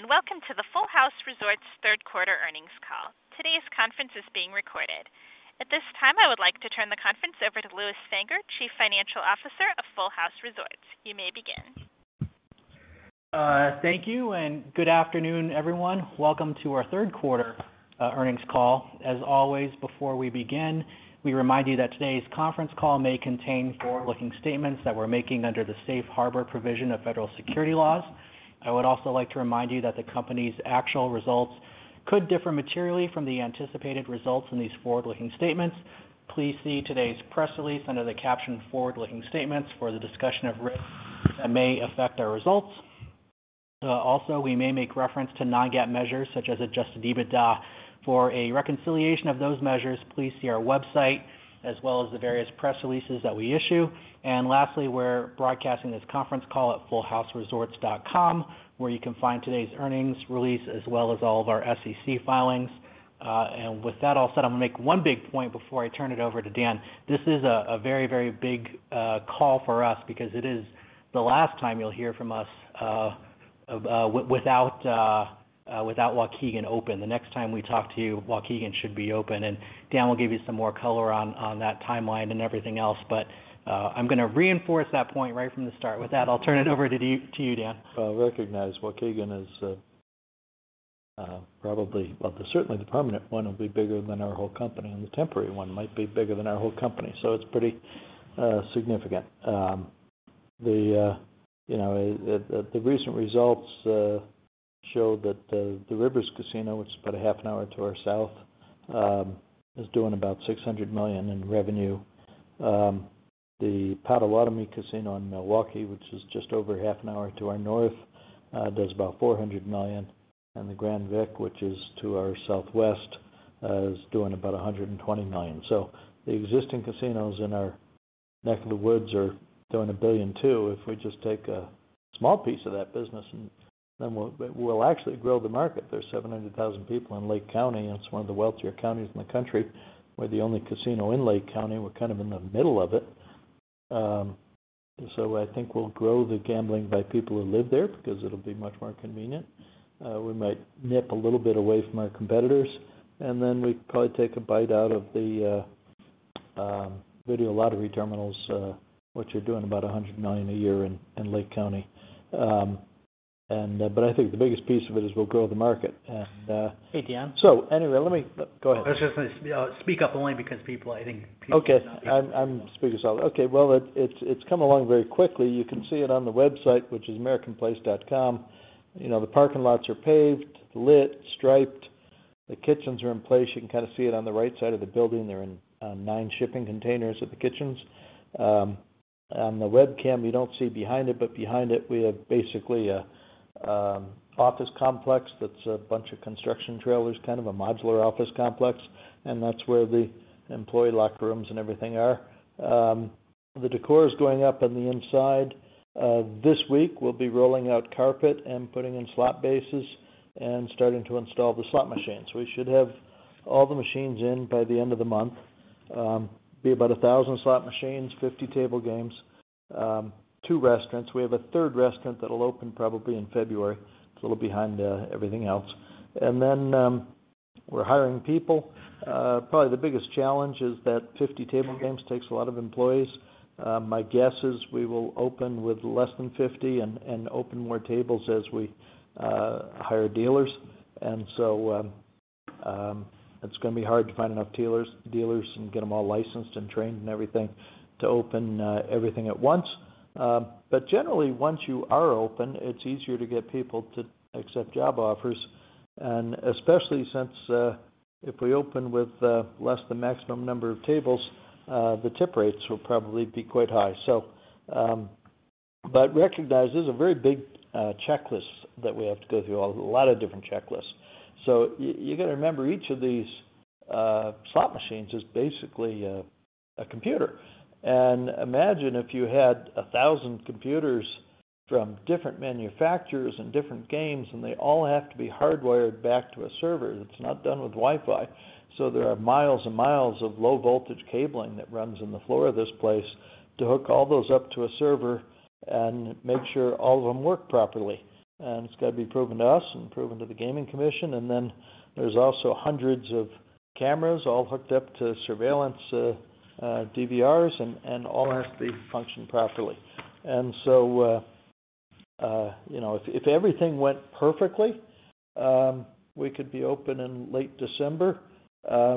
Good day, and welcome to the Full House Resorts Q3 earnings call. Today's conference is being recorded. At this time, I would like to turn the conference over to Lewis Fanger, Chief Financial Officer of Full House Resorts. You may begin. Thank you, and good afternoon, everyone. Welcome to our Q3 earnings call. As always, before we begin, we remind you that today's conference call may contain forward-looking statements that we're making under the safe harbor provision of federal securities laws. I would also like to remind you that the company's actual results could differ materially from the anticipated results in these forward-looking statements. Please see today's press release under the caption Forward-Looking Statements for the discussion of risks that may affect our results. Also, we may make reference to non-GAAP measures, such as adjusted EBITDA. For a reconciliation of those measures, please see our website as well as the various press releases that we issue. Lastly, we're broadcasting this conference call at fullhouseresorts.com, where you can find today's earnings release as well as all of our SEC filings. With that all said, I'm gonna make one big point before I turn it over to Dan. This is a very, very big call for us because it is the last time you'll hear from us without Waukegan open. The next time we talk to you, Waukegan should be open, and Dan will give you some more color on that timeline and everything else. I'm gonna reinforce that point right from the start. With that, I'll turn it over to you, Dan. Well, recognize Waukegan is. Certainly the permanent one will be bigger than our whole company, and the temporary one might be bigger than our whole company, so it's pretty significant. The recent results show that the Rivers Casino, which is about a half an hour to our south, is doing about $600 million in revenue. The Potawatomi Casino in Milwaukee, which is just over half an hour to our north, does about $400 million. The Grand Victoria, which is to our southwest, is doing about $120 million. The existing casinos in our neck of the woods are doing $1.2 billion. If we just take a small piece of that business, but we'll actually grow the market. There's 700,000 people in Lake County. It's one of the wealthier counties in the country. We're the only casino in Lake County. We're in the middle of it. I think we'll grow the gambling by people who live there because it'll be much more convenient. We might nip a little bit away from our competitors, and then we probably take a bite out of the Video Lottery Terminals, which are doing about $100 million a year in Lake County. I think the biggest piece of it is we'll grow the market and Hey, Dan. Anyway, go ahead. I was just gonna say speak up only because people, I think people. Okay. I'm speaking solid. Okay. Well, it's come along very quickly. You can see it on the website, which is americanplace.com. You know, the parking lots are paved, lit, striped. The kitchens are in place. You can see it on the right side of the building. They're in 9 shipping containers at the kitchens. On the webcam, you don't see behind it, but behind it, we have basically a office complex that's a bunch of construction trailers, a modular office complex, and that's where the employee locker rooms and everything are. The decor is going up on the inside. This week we'll be rolling out carpet and putting in slot bases and starting to install the slot machines. We should have all the machines in by the end of the month. Be about 1000 slot machines, 50 table games, 2 restaurants. We have a third restaurant that'll open probably in February. It's a little behind, everything else. We're hiring people. Probably the biggest challenge is that 50 table games takes a lot of employees. My guess is we will open with less than 50 and open more tables as we hire dealers. It's gonna be hard to find enough dealers and get them all licensed and trained and everything to open everything at once. Generally, once you are open, it's easier to get people to accept job offers. Especially since, if we open with less than maximum number of tables, the tip rates will probably be quite high. Recognize this is a very big checklist that we have to go through, a lot of different checklists. You gotta remember each of these slot machines is basically a computer. Imagine if you had 1,000 computers from different manufacturers and different games, and they all have to be hardwired back to a server that's not done with Wi-Fi. There are miles and miles of low-voltage cabling that runs in the floor of this place to hook all those up to a server and make sure all of them work properly. It's gotta be proven to us and proven to the gaming commission. There's also hundreds of cameras all hooked up to surveillance DVRs and all have to be functioned properly. You know, if everything went perfectly, we could be open in late December.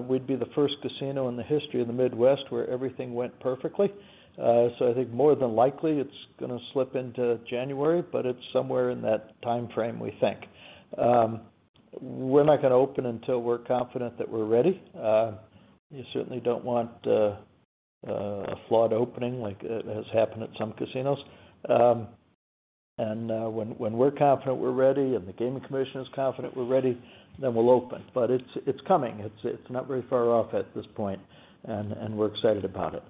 We'd be the first casino in the history of the Midwest where everything went perfectly. I think more than likely it's gonna slip into January, but it's somewhere in that timeframe, we think. We're not gonna open until we're confident that we're ready. You certainly don't want a flawed opening like has happened at some casinos. When we're confident we're ready and the gaming commission is confident we're ready, then we'll open. It's coming. It's not very far off at this point and we're excited about it.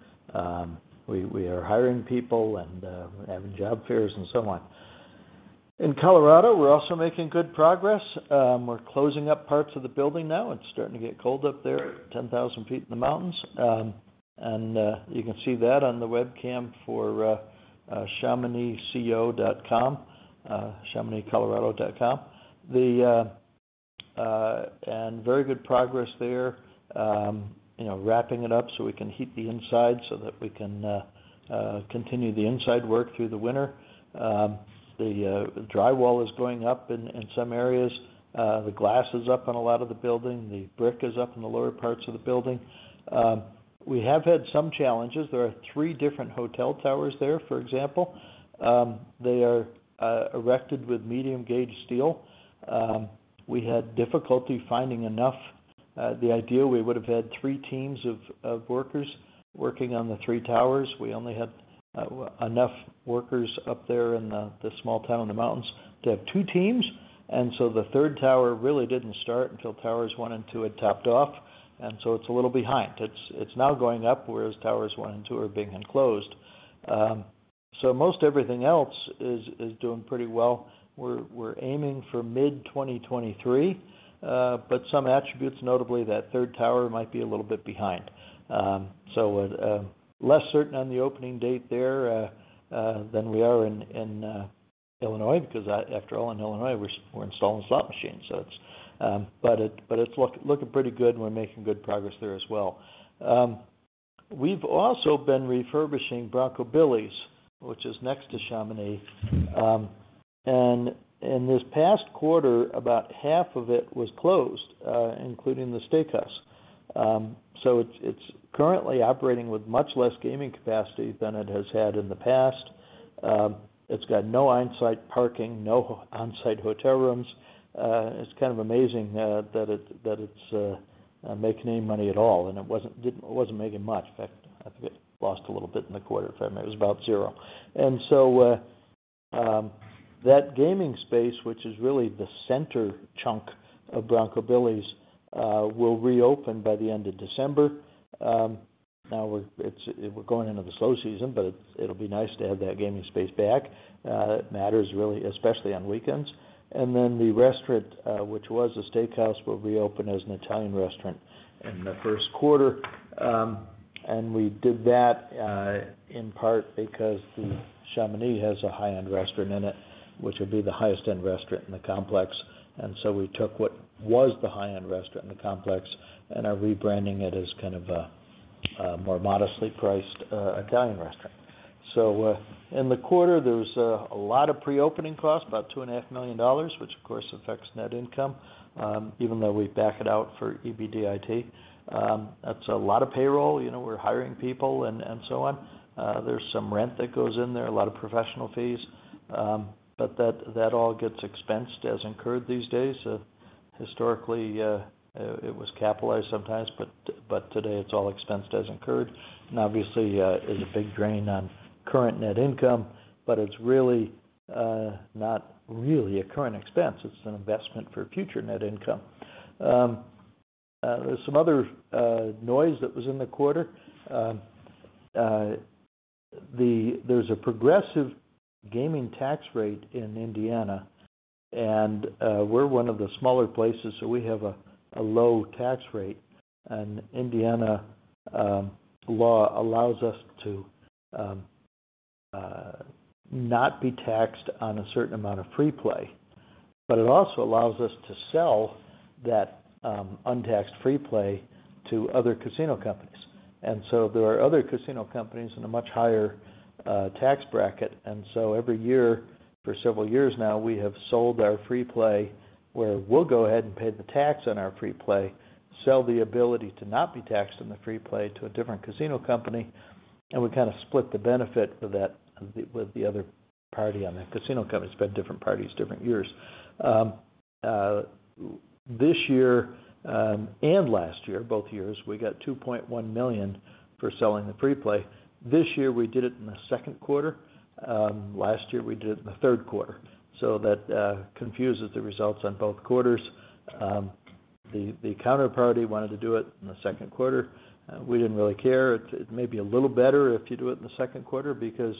We are hiring people and we're having job fairs and so on. In Colorado, we're also making good progress. We're closing up parts of the building now. It's starting to get cold up there, 10,000 feet in the mountains. You can see that on the webcam for ChamonixCO.com, ChamonixColorado.com. Very good progress there, you know, wrapping it up so we can heat the inside so that we can continue the inside work through the winter. The drywall is going up in some areas. The glass is up on a lot of the building. The brick is up in the lower parts of the building. We have had some challenges. There are three different hotel towers there, for example. They are erected with medium-gauge steel. We had difficulty finding enough. The idea, we would've had three teams of workers working on the three towers. We only had enough workers up there in the small town in the mountains to have two teams. The third tower really didn't start until towers one and two had topped off. It's a little behind. It's now going up, whereas towers one and two are being enclosed. Most everything else is doing pretty well. We're aiming for mid-2023. Some attributes, notably that third tower, might be a little bit behind. We're less certain on the opening date there than we are in Illinois, because after all, in Illinois, we're installing slot machines, so it's looking pretty good, and we're making good progress there as well. We've also been refurbishing Bronco Billy's, which is next to Chamonix. In this past quarter, about half of it was closed, including the steakhouse. It's currently operating with much less gaming capacity than it has had in the past. It's got no on-site parking, no on-site hotel rooms. It's amazing that it's making any money at all, and it wasn't making much. In fact, I think it lost a little bit in the quarter. If anything, it was about zero. That gaming space, which is really the center chunk of Bronco Billy's, will reopen by the end of December. We're going into the slow season, but it'll be nice to have that gaming space back. It matters really, especially on weekends. The restaurant, which was a steakhouse, will reopen as an Italian restaurant in the Q1. We did that in part because the Chamonix has a high-end restaurant in it, which would be the highest-end restaurant in the complex. We took what was the high-end restaurant in the complex and are rebranding it as a more modestly priced Italian restaurant. In the quarter, there was a lot of pre-opening costs, about $2.5 million, which of course affects net income, even though we back it out for EBITDA. That's a lot of payroll. You know, we're hiring people and so on. There's some rent that goes in there, a lot of professional fees. That all gets expensed as incurred these days. Historically, it was capitalized sometimes, but today it's all expensed as incurred. Obviously, is a big drain on current net income, but it's really not really a current expense. It's an investment for future net income. There's some other noise that was in the quarter. There's a progressive gaming tax rate in Indiana, and we're one of the smaller places, so we have a low tax rate. Indiana law allows us to not be taxed on a certain amount of free play, but it also allows us to sell that untaxed free play to other casino companies. There are other casino companies in a much higher tax bracket. Every year for several years now, we have sold our free play, where we'll go ahead and pay the tax on our free play, sell the ability to not be taxed on the free play to a different casino company, and we kinda split the benefit of that with the other party on that casino company. It's been different parties, different years. This year and last year, both years, we got $2.1 million for selling the free play. This year, we did it in the Q2. Last year, we did it in the Q3. That confuses the results on both quarters. The counterparty wanted to do it in the Q2. We didn't really care. It may be a little better if you do it in the Q2 because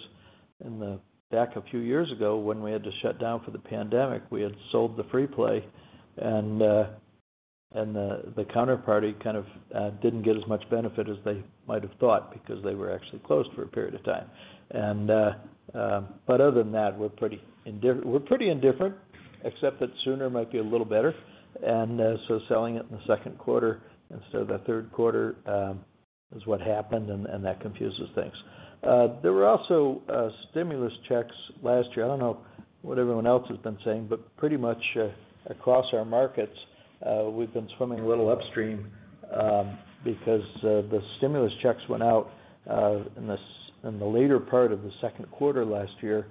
back a few years ago when we had to shut down for the pandemic, we had sold the free play, and the counterparty didn't get as much benefit as they might have thought because they were actually closed for a period of time. Other than that, we're pretty indifferent, except that sooner might be a little better. Selling it in the Q2 instead of the Q3 is what happened and that confuses things. There were also stimulus checks last year. I don't know what everyone else has been saying, but pretty much across our markets, we've been swimming a little upstream, because the stimulus checks went out in the middle of the Q2 last year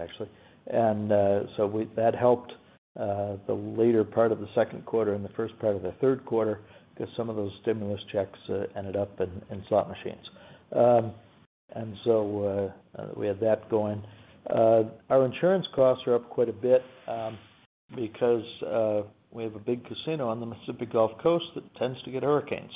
actually. That helped the later part of the Q2 and the first part of the Q3 'cause some of those stimulus checks ended up in slot machines. We had that going. Our insurance costs are up quite a bit, because we have a big casino on the Mississippi Gulf Coast that tends to get hurricanes.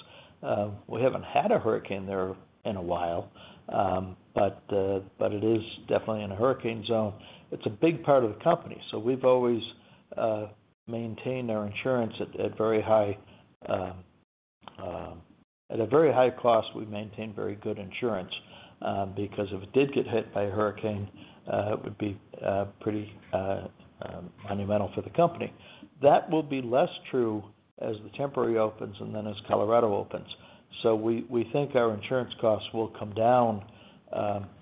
We haven't had a hurricane there in a while, but it is definitely in a hurricane zone. It's a big part of the company, so we've always maintained our insurance at a very high cost. We maintain very good insurance because if it did get hit by a hurricane, it would be pretty monumental for the company. That will be less true as the temporary opens and then as Colorado opens. We think our insurance costs will come down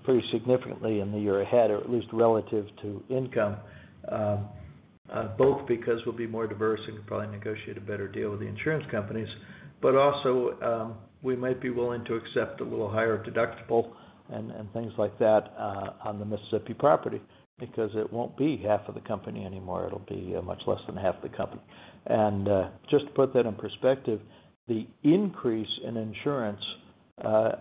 pretty significantly in the year ahead, or at least relative to income. Both because we'll be more diverse and could probably negotiate a better deal with the insurance companies, but also we might be willing to accept a little higher deductible and things like that on the Mississippi property, because it won't be half of the company anymore. It'll be much less than half the company. Just to put that in perspective, the increase in insurance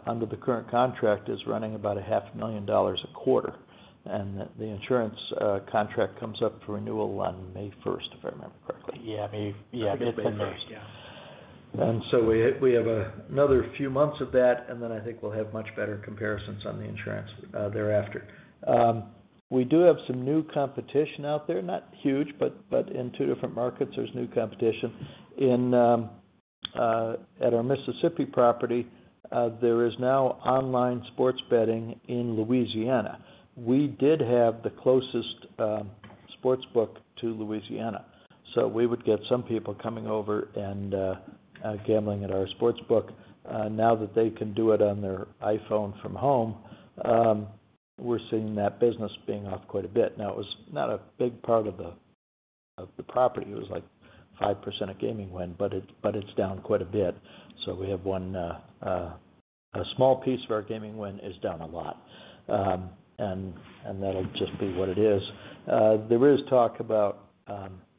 under the current contract is running about a half million dollars a quarter, and the insurance contract comes up for renewal on May first, if I remember correctly. Yeah, it's May first. I think it's May first. Yeah. We have another few months of that, and then I think we'll have much better comparisons on the insurance thereafter. We do have some new competition out there. Not huge, but in two different markets, there's new competition. At our Mississippi property, there is now online sports betting in Louisiana. We did have the closest sports book to Louisiana, so we would get some people coming over and gambling at our sports book. Now that they can do it on their iPhone from home, we're seeing that business being off quite a bit. Now, it was not a big part of the property. It was, like, 5% of gaming win, but it's down quite a bit. We have one, a small piece of our gaming win is down a lot. That'll just be what it is. There is talk about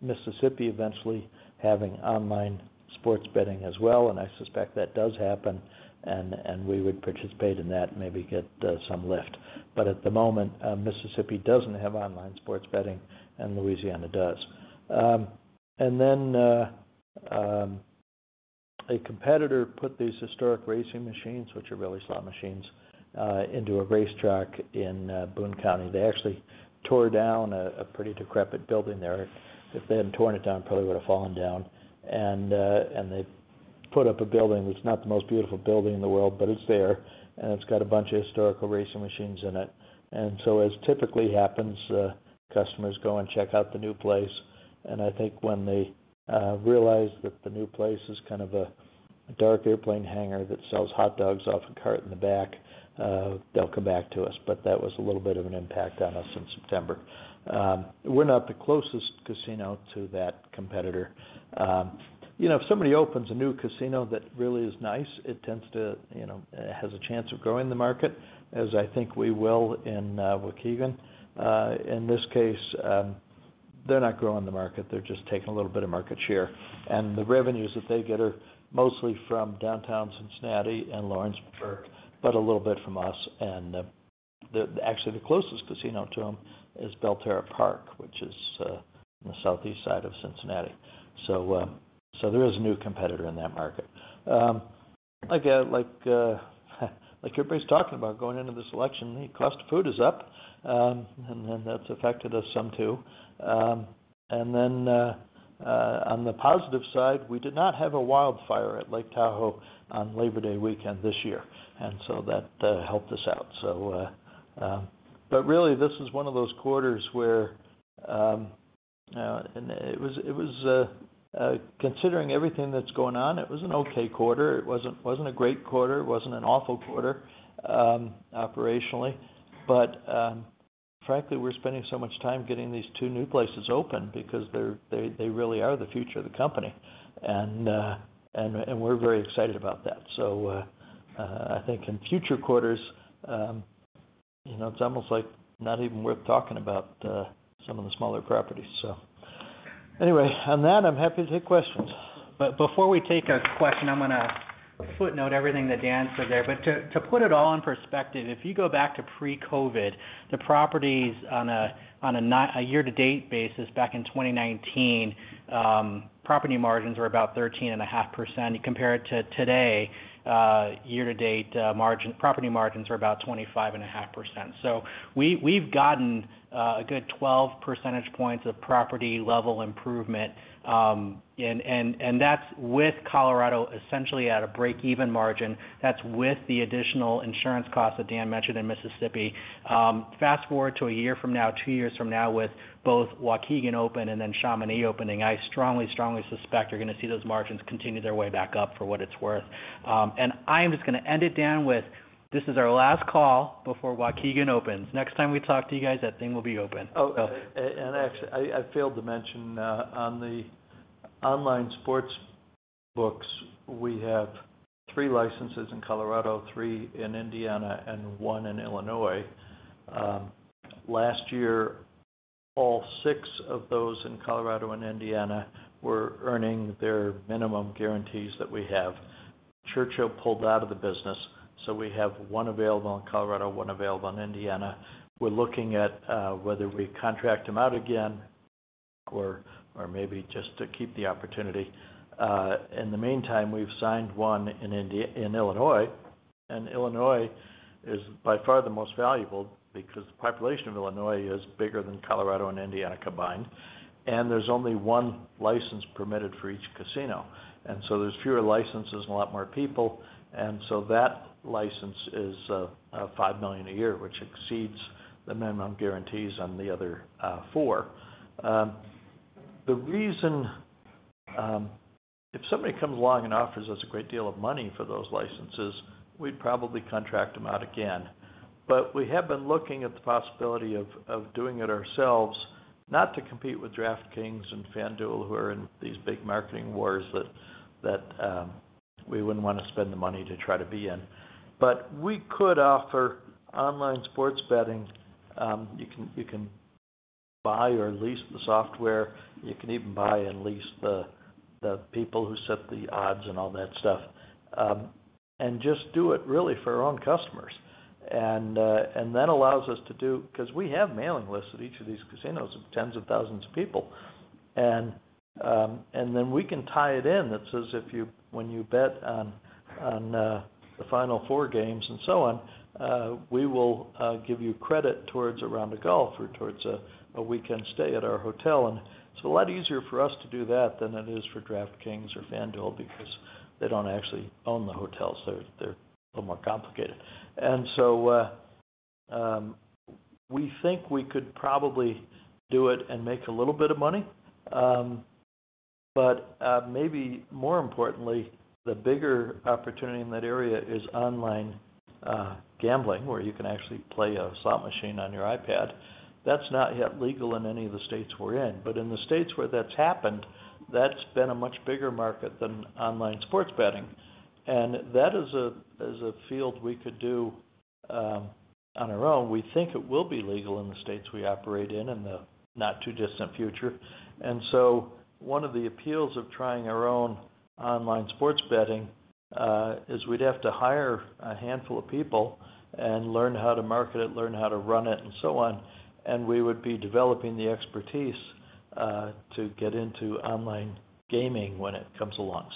Mississippi eventually having online sports betting as well, and I suspect that does happen and we would participate in that and maybe get some lift. At the moment, Mississippi doesn't have online sports betting, and Louisiana does. A competitor put these historical horse racing machines, which are really slot machines, into a racetrack in Boone County. They actually tore down a pretty decrepit building there. If they hadn't torn it down, it probably would have fallen down. They've put up a building that's not the most beautiful building in the world, but it's there, and it's got a bunch of historical horse racing machines in it. As typically happens, customers go and check out the new place, and I think when they realize that the new place is a dark airplane hangar that sells hot dogs off a cart in the back, they'll come back to us. That was a little bit of an impact on us in September. We're not the closest casino to that competitor. You know, if somebody opens a new casino that really is nice, it tends to, you know, has a chance of growing the market, as I think we will in Waukegan. In this case, they're not growing the market, they're just taking a little bit of market share. The revenues that they get are mostly from downtown Cincinnati and Lawrenceburg, but a little bit from us. Actually, the closest casino to them is Belterra Park, which is on the southeast side of Cincinnati. There is a new competitor in that market. Again, like everybody's talking about going into this election, the cost of food is up, and then that's affected us some too. On the positive side, we did not have a wildfire at Lake Tahoe on Labor Day weekend this year, and so that helped us out. Really, this is one of those quarters where, considering everything that's going on, it was an okay quarter. It wasn't a great quarter. It wasn't an awful quarter operationally. Frankly, we're spending so much time getting these two new places open because they're really the future of the company. We're very excited about that. I think in future quarters, you know, it's almost like not even worth talking about some of the smaller properties. Anyway, on that, I'm happy to take questions. Before we take a question, I'm gonna footnote everything that Dan said there. To put it all in perspective, if you go back to pre-COVID, the properties on a year-to-date basis back in 2019, property margins were about 13.5%. You compare it to today, year-to-date, property margins are about 25.5%. We've gotten a good 12 percentage points of property-level improvement, and that's with Colorado essentially at a break-even margin. That's with the additional insurance costs that Dan mentioned in Mississippi. Fast-forward to a year from now, two years from now, with both Waukegan open and then Chamonix opening, I strongly suspect you're gonna see those margins continue their way back up, for what it's worth. I'm just gonna end it, Dan, with this is our last call before Waukegan opens. Next time we talk to you guys, that thing will be open. Actually, I failed to mention, on the online sportsbooks, we have 3 licenses in Colorado, 3 in Indiana, and 1 in Illinois. Last year, all 6 of those in Colorado and Indiana were earning their minimum guarantees that we have. Churchill Downs pulled out of the business, so we have 1 available in Colorado, 1 available in Indiana. We're looking at whether we contract them out again or maybe just to keep the opportunity. In the meantime, we've signed 1 in Illinois. Illinois is by far the most valuable because the population of Illinois is bigger than Colorado and Indiana combined, and there's only 1 license permitted for each casino. There's fewer licenses and a lot more people. That license is $5 million a year, which exceeds the minimum guarantees on the other four. If somebody comes along and offers us a great deal of money for those licenses, we'd probably contract them out again. We have been looking at the possibility of doing it ourselves, not to compete with DraftKings and FanDuel, who are in these big marketing wars that we wouldn't wanna spend the money to try to be in. We could offer online sports betting. You can buy or lease the software. You can even buy and lease the people who set the odds and all that stuff, and just do it really for our own customers. That allows us to do 'cause we have mailing lists at each of these casinos of tens of thousands of people. Then we can tie it in that says, when you bet on the Final Four games and so on, we will give you credit towards a round of golf or towards a weekend stay at our hotel. It's a lot easier for us to do that than it is for DraftKings or FanDuel because they don't actually own the hotels. They're a little more complicated. We think we could probably do it and make a little bit of money. Maybe more importantly, the bigger opportunity in that area is online gambling, where you can actually play a slot machine on your iPad. That's not yet legal in any of the states we're in. In the states where that's happened, that's been a much bigger market than online sports betting. That is a field we could do on our own. We think it will be legal in the states we operate in in the not-too-distant future. One of the appeals of trying our own online sports betting is we'd have to hire a handful of people and learn how to market it, learn how to run it, and so on, and we would be developing the expertise to get into online gaming when it comes along.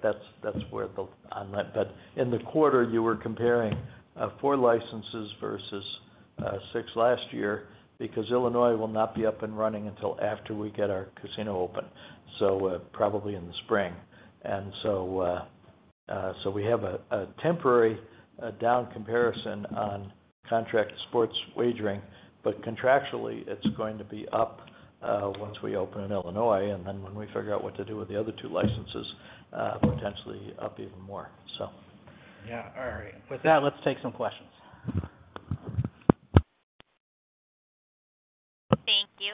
That's where the online bet. In the quarter you were comparing, 4 licenses versus 6 last year because Illinois will not be up and running until after we get our casino open, so probably in the spring. We have a temporary down comparison on contract sports wagering. Contractually, it's going to be up once we open in Illinois, and then when we figure out what to do with the other 2 licenses, potentially up even more. Yeah. All right. With that, let's take some questions.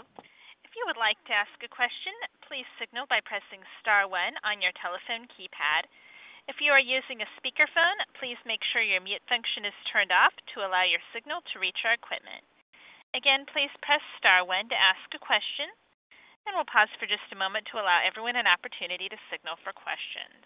Thank you. If you would like to ask a question, please signal by pressing star one on your telephone keypad. If you are using a speakerphone, please make sure your mute function is turned off to allow your signal to reach our equipment. Again, please press star one to ask a question, and we'll pause for just a moment to allow everyone an opportunity to signal for questions.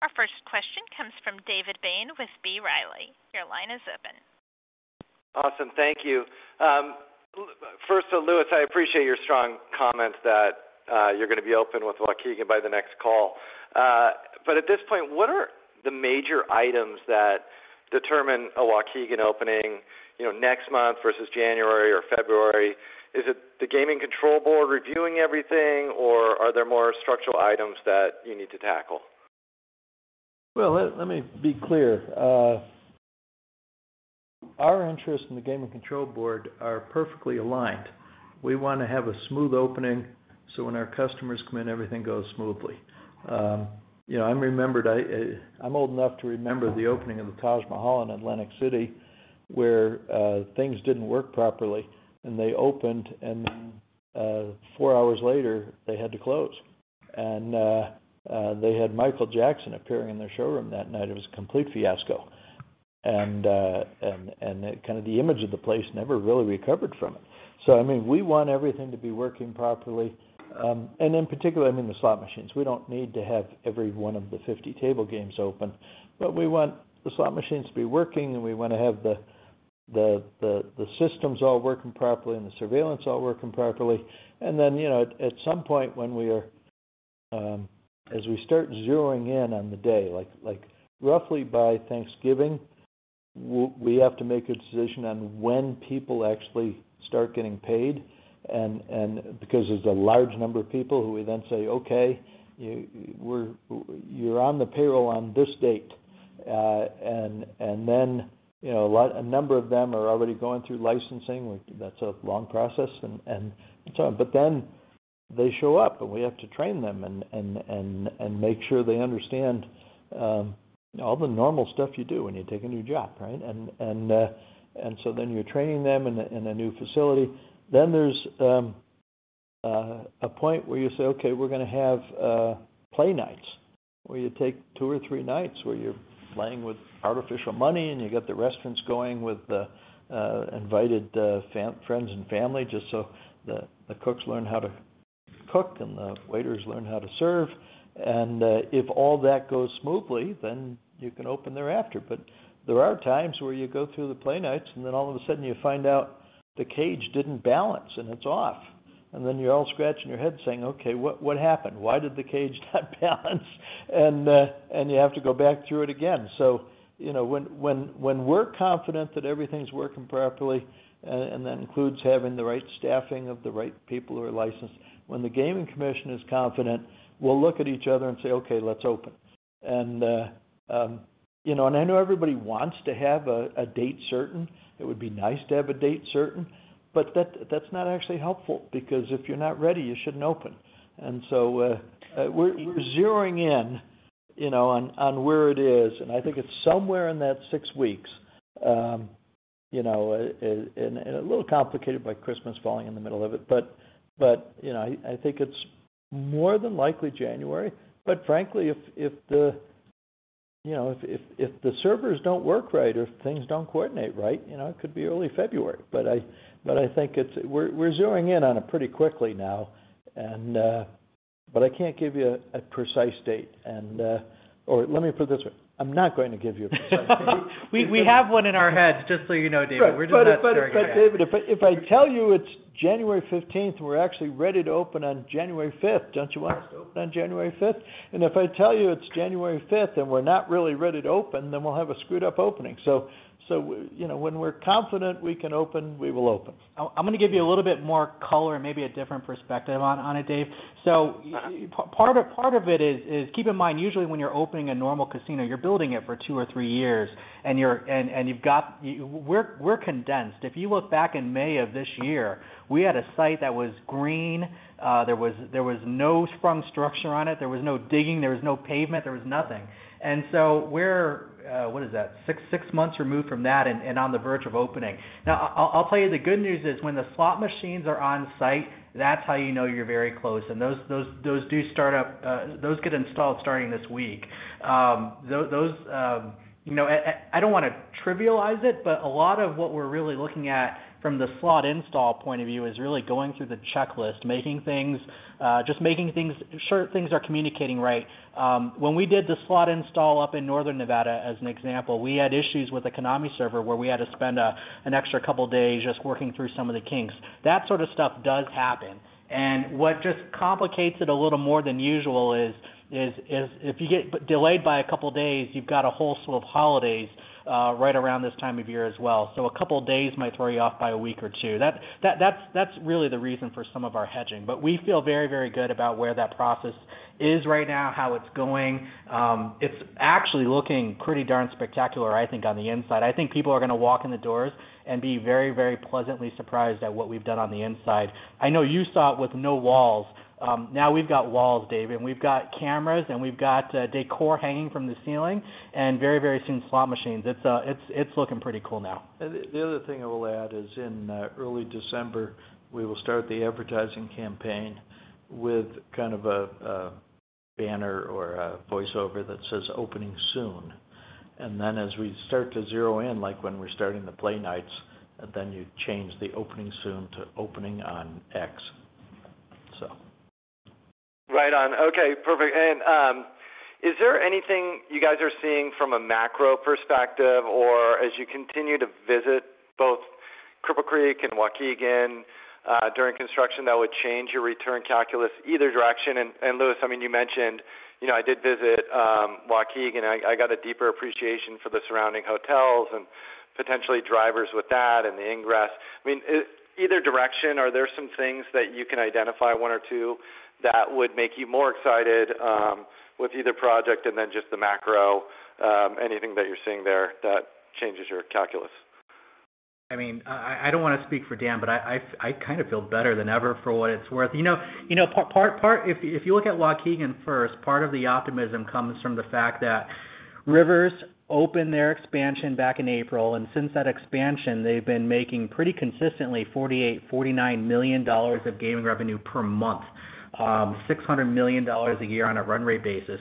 Our first question comes from David Bain with B. Riley. Your line is open. Awesome. Thank you. First to Lewis, I appreciate your strong comments that you're gonna be open with Waukegan by the next call. At this point, what are the major items that determine a Waukegan opening, you know, next month versus January or February? Is it the Gaming Control Board reviewing everything, or are there more structural items that you need to tackle? Well, let me be clear. Our interests and the Gaming Control Board are perfectly aligned. We wanna have a smooth opening, so when our customers come in, everything goes smoothly. You know, I'm old enough to remember the opening of the Taj Mahal in Atlantic City, where things didn't work properly, and they opened, and then four hours later, they had to close. They had Michael Jackson appearing in their showroom that night. It was a complete fiasco, and the image of the place never really recovered from it. I mean, we want everything to be working properly, and in particular, I mean, the slot machines. We don't need to have every one of the 50 table games open. We want the slot machines to be working, and we wanna have the systems all working properly and the surveillance all working properly. You know, at some point when we are as we start zeroing in on the day, like roughly by Thanksgiving, we have to make a decision on when people actually start getting paid and because there's a large number of people who we then say, "Okay, you're on the payroll on this date." A number of them are already going through licensing. That's a long process and make sure they understand all the normal stuff you do when you take a new job, right? You're training them in a new facility. There's a point where you say, "Okay, we're gonna have play nights," where you take two or three nights where you're playing with artificial money and you get the restaurants going with the invited friends and family, just so the cooks learn how to cook and the waiters learn how to serve. If all that goes smoothly, you can open thereafter. There are times where you go through the play nights, and then all of a sudden, you find out the cage didn't balance, and it's off. You're all scratching your head saying, "Okay, what happened? Why did the cage not balance?" You have to go back through it again. You know, when we're confident that everything's working properly and that includes having the right staffing of the right people who are licensed. When the gaming commission is confident, we'll look at each other and say, "Okay, let's open." You know, I know everybody wants to have a date certain. It would be nice to have a date certain, but that's not actually helpful because if you're not ready, you shouldn't open. We're zeroing in, you know, on where it is, and I think it's somewhere in that six weeks. You know, and a little complicated by Christmas falling in the middle of it. You know, I think it's more than likely January. Frankly, if the servers don't work right or if things don't coordinate right, you know, it could be early February. I think it's. We're zeroing in on it pretty quickly now, but I can't give you a precise date. Let me put it this way, I'm not going to give you a precise date. We have one in our heads, just so you know, Dave. Right. We're doing that during our. David, if I tell you it's January 15th, and we're actually ready to open on January 5th, don't you want us to open on January 5th? If I tell you it's January 5th, and we're not really ready to open, then we'll have a screwed up opening. You know, when we're confident we can open, we will open. I'm gonna give you a little bit more color and maybe a different perspective on it, Dave. Uh. Part of it is, keep in mind, usually when you're opening a normal casino, you're building it for two or three years, and we're condensed. If you look back in May of this year, we had a site that was green. There was no sprung structure on it. There was no digging. There was no pavement. There was nothing. We're what is that? Six months removed from that and on the verge of opening. Now, I'll tell you, the good news is when the slot machines are on site, that's how you know you're very close. Those do start up, those get installed starting this week. Those, you know. I don't wanna trivialize it, but a lot of what we're really looking at from the slot install point of view is really going through the checklist, making sure things are communicating right. When we did the slot install up in Northern Nevada, as an example, we had issues with the Konami server where we had to spend an extra couple days just working through some of the kinks. That stuff does happen. What just complicates it a little more than usual is if you get delayed by a couple days, you've got a whole slew of holidays right around this time of year as well. A couple days might throw you off by a week or two. That's really the reason for some of our hedging. We feel very, very good about where that process is right now, how it's going. It's actually looking pretty darn spectacular, I think, on the inside. I think people are gonna walk in the doors and be very, very pleasantly surprised at what we've done on the inside. I know you saw it with no walls. Now we've got walls, Dave, and we've got cameras, and we've got decor hanging from the ceiling and very, very soon, slot machines. It's looking pretty cool now. The other thing I will add is in early December, we will start the advertising campaign with a banner or a voiceover that says, "Opening soon." As we start to zero in, like when we're starting the play nights, you change the opening soon to opening on X. Right on. Okay, perfect. Is there anything you guys are seeing from a macro perspective, or as you continue to visit both Cripple Creek and Waukegan during construction, that would change your return calculus either direction? Lewis, I mean, you mentioned, you know, I did visit Waukegan. I got a deeper appreciation for the surrounding hotels and potentially drivers with that and the ingress. I mean, either direction, are there some things that you can identify, one or two, that would make you more excited with either project? Then just the macro, anything that you're seeing there that changes your calculus? I mean, I don't wanna speak for Dan, but I feel better than ever for what it's worth. You know, if you look at Waukegan first, part of the optimism comes from the fact that Rivers opened their expansion back in April, and since that expansion, they've been making pretty consistently $48-$49 million of gaming revenue per month. $600 million a year on a run rate basis.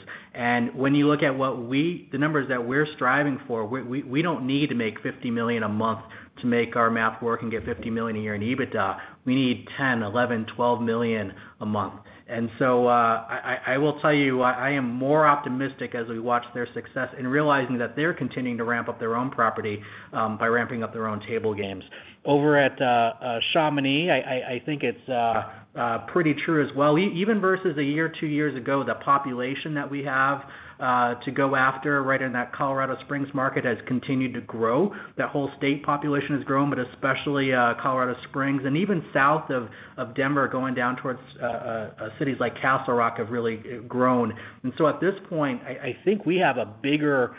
When you look at the numbers that we're striving for, we don't need to make $50 million a month to make our math work and get $50 million a year in EBITDA. We need $10-$12 million a month. I will tell you, I am more optimistic as we watch their success and realizing that they're continuing to ramp up their own property by ramping up their own table games. Over at Chamonix, I think it's pretty true as well. Even versus a year or two years ago, the population that we have to go after right in that Colorado Springs market has continued to grow. That whole state population has grown, but especially Colorado Springs and even south of Denver, going down towards cities like Castle Rock have really grown. I think we have a bigger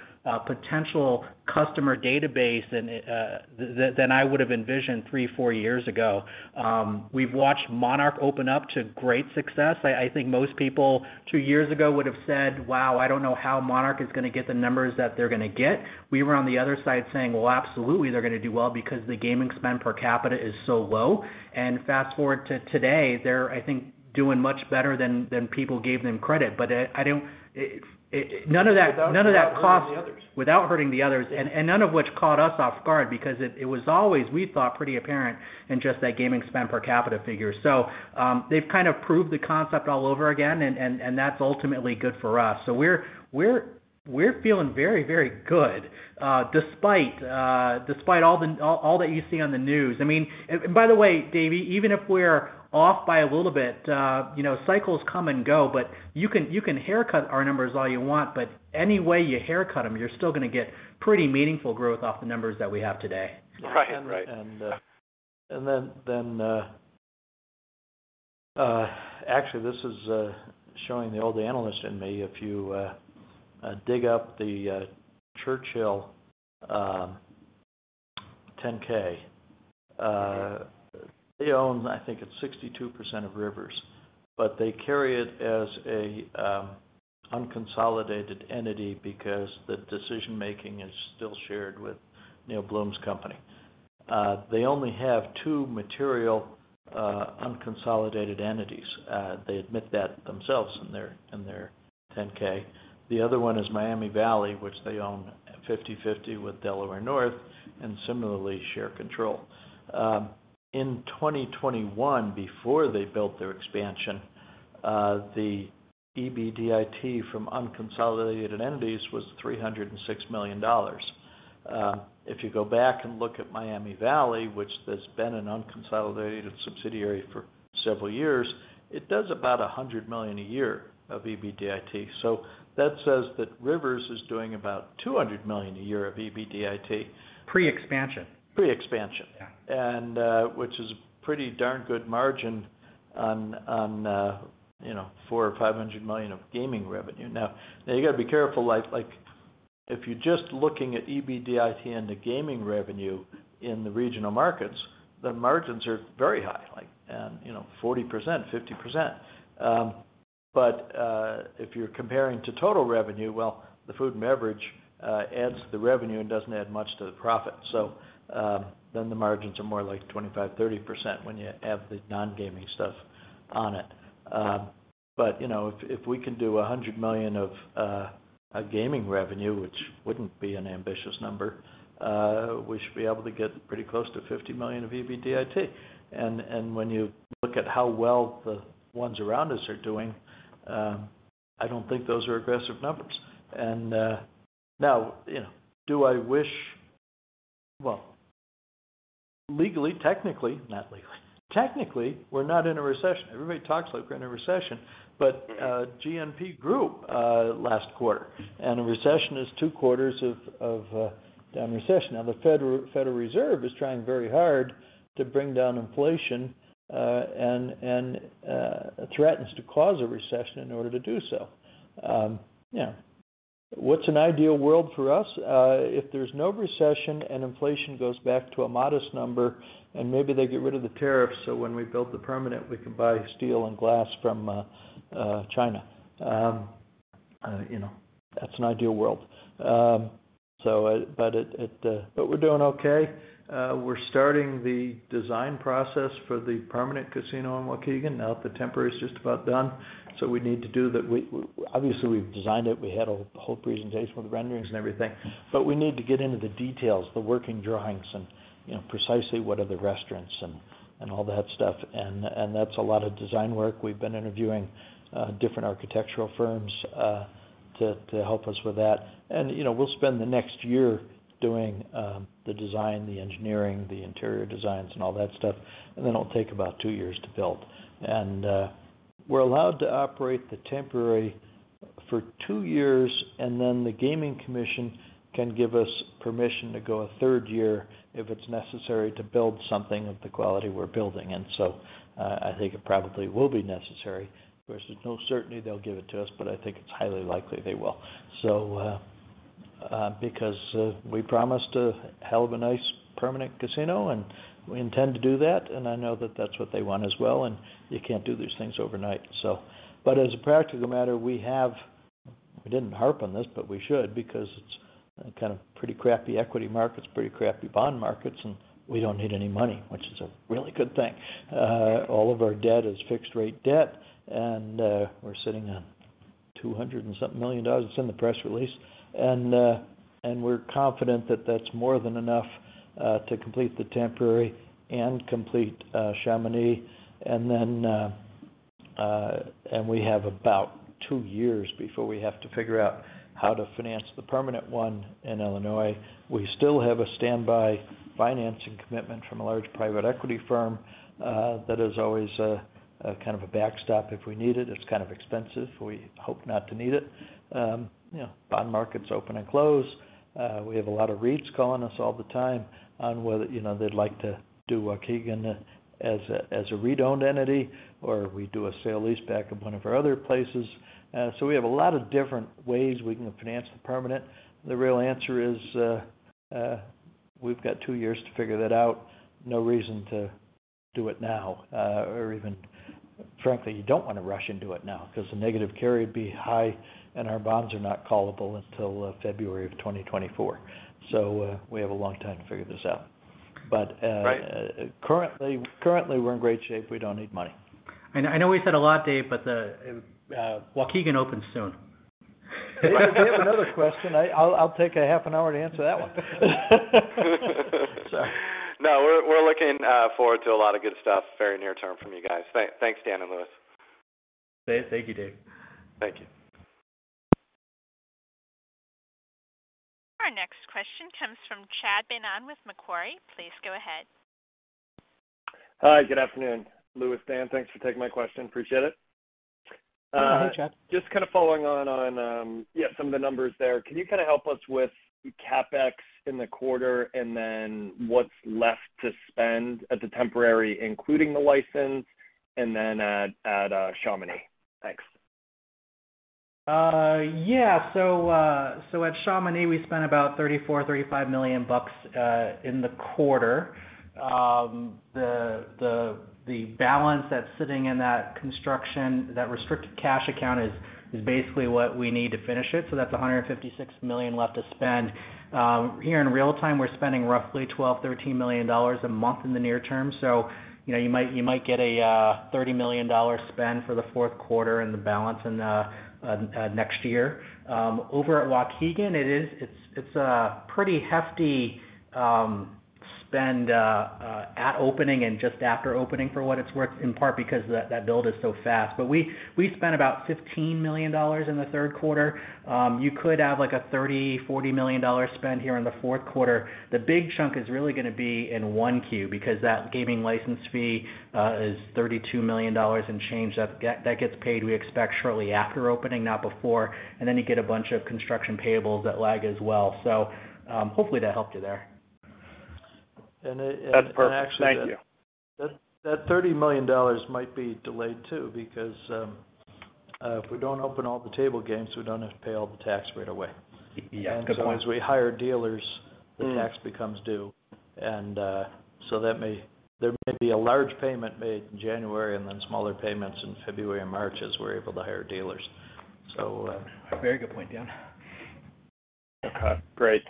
potential customer database than I would have envisioned three, four years ago. We've watched Monarch open up to great success. I think most people two years ago would have said, "Wow, I don't know how Monarch is gonna get the numbers that they're gonna get." We were on the other side saying, "Well, absolutely, they're gonna do well because the gaming spend per capita is so low." Fast-forward to today, they're, I think, doing much better than people gave them credit. None of that cost- Without hurting the others. Without hurting the others. None of which caught us off guard because it was always, we thought, pretty apparent in just that gaming spend per capita figure. They've proved the concept all over again, and that's ultimately good for us. We're feeling very, very good, despite all that you see on the news. I mean, by the way, Davey, even if we're off by a little bit, you know, cycles come and go, but you can haircut our numbers all you want, but any way you haircut them, you're still gonna get pretty meaningful growth off the numbers that we have today. Right. Right. Actually, this is showing the old analyst in me. If you dig up the Churchill Downs 10-K, they own I think it's 62% of Rivers Casino, but they carry it as an unconsolidated entity because the decision-making is still shared with Neil Bluhm's company. They only have two material unconsolidated entities. They admit that themselves in their 10-K. The other one is Miami Valley Gaming, which they own 50/50 with Delaware North and similarly share control. In 2021, before they built their expansion, the EBITDA from unconsolidated entities was $306 million. If you go back and look at Miami Valley Gaming, which has been an unconsolidated subsidiary for several years, it does about $100 million a year of EBITDA. That says that Rivers is doing about $200 million a year of EBITDA. Pre-expansion. Pre-expansion. Yeah. which is a pretty darn good margin on you know, $400 million or $500 million of gaming revenue. Now you gotta be careful, like if you're just looking at EBITDA and the gaming revenue in the regional markets, the margins are very high, like you know, 40%, 50%. If you're comparing to total revenue, well, the food and beverage adds to the revenue and doesn't add much to the profit. Then the margins are more like 25%, 30% when you add the non-gaming stuff on it. You know, if we can do $100 million of gaming revenue, which wouldn't be an ambitious number, we should be able to get pretty close to $50 million of EBITDA. When you look at how well the ones around us are doing, I don't think those are aggressive numbers. Now, you know, do I wish? Well, legally, technically, we're not in a recession. Everybody talks like we're in a recession, but GNP grew last quarter, and a recession is two quarters of down recession. Now, the Federal Reserve is trying very hard to bring down inflation and threatens to cause a recession in order to do so. What's an ideal world for us? If there's no recession and inflation goes back to a modest number, and maybe they get rid of the tariffs, so when we build the permanent, we can buy steel and glass from China. You know, that's an ideal world. We're doing okay. We're starting the design process for the permanent casino in Waukegan now that the temporary is just about done. Obviously, we've designed it. We had a whole presentation with renderings and everything, but we need to get into the details, the working drawings and, you know, precisely what are the restaurants and all that stuff. That's a lot of design work. We've been interviewing different architectural firms to help us with that. You know, we'll spend the next year doing the design, the engineering, the interior designs and all that stuff. Then it'll take about two years to build. We're allowed to operate the temporary for 2 years, and then the gaming commission can give us permission to go a third year if it's necessary to build something of the quality we're building. I think it probably will be necessary. Of course, there's no certainty they'll give it to us, but I think it's highly likely they will. We promised a hell of a nice permanent casino, and we intend to do that, and I know that that's what they want as well, and you can't do these things overnight, so. As a practical matter, we didn't harp on this, but we should because it's pretty crappy equity markets, pretty crappy bond markets, and we don't need any money, which is a really good thing. All of our debt is fixed rate debt, and we're sitting on $200-something million. It's in the press release. We're confident that that's more than enough to complete the temporary and complete Chamonix. Then we have about 2 years before we have to figure out how to finance the permanent one in Illinois. We still have a standby financing commitment from a large private equity firm that is always a backstop if we need it. It's expensive. We hope not to need it. You know, bond markets open and close. We have a lot of REITs calling us all the time on whether, you know, they'd like to do Waukegan as a REIT-owned entity or we do a sale-leaseback of one of our other places. We have a lot of different ways we can finance the permanent. The real answer is, we've got two years to figure that out. No reason to do it now, or even frankly, you don't wanna rush into it now 'cause the negative carry would be high, and our bonds are not callable until February 2024. We have a long time to figure this out. Right. Currently, we're in great shape. We don't need money. I know, I know we said a lot, Dave, but the Waukegan opens soon. If you have another question, I'll take a half an hour to answer that one. No, we're looking forward to a lot of good stuff very near-term from you guys. Thanks, Dan and Lewis. Thank you, Dave. Thank you. Our next question comes from Chad Beynon with Macquarie. Please go ahead. Hi. Good afternoon. Lewis, Dan, thanks for taking my question. Appreciate it. Just following on some of the numbers there. Can you help us with CapEx in the quarter and then what's left to spend at the temporary, including the license and then at Chamonix? Thanks. At Chamonix, we spent about $34-$35 million in the quarter. The balance that's sitting in that construction, that restricted cash account is basically what we need to finish it. That's $156 million left to spend. Here in real time, we're spending roughly $12-$13 million a month in the near term. You know, you might get a $30 million spend for the Q4 and the balance in the next year. Over at Waukegan, it's a pretty hefty spend at opening and just after opening for what it's worth, in part because that build is so fast. We spent about $15 million in the Q3. You could have like a $30-$40 million spend here in the Q4. The big chunk is really gonna be in Q1 because that gaming license fee is $32 million and change that gets paid, we expect, shortly after opening, not before. You get a bunch of construction payables that lag as well. Hopefully that helped you there. That's perfect. Thank you. Actually that $30 million might be delayed, too, because if we don't open all the table games, we don't have to pay all the tax right away. Yeah. Good point. As long as we hire dealers. Mm. The tax becomes due. There may be a large payment made in January and then smaller payments in February and March as we're able to hire dealers. Very good point, Dan. Okay. Great.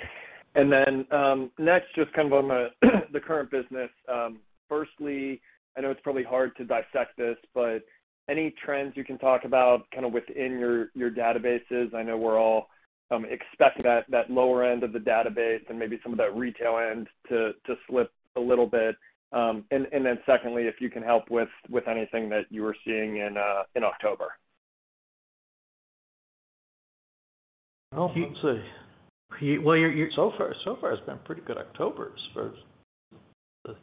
Next, just on the current business, firstly, I know it's probably hard to dissect this, but any trends you can talk about within your databases? I know we're all expecting that lower end of the database and maybe some of that retail end to slip a little bit. Secondly, if you can help with anything that you are seeing in October. Well, let's see. Well, you're So far, it's been pretty good October as far as